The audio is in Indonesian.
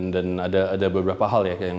dan ada beberapa hal ya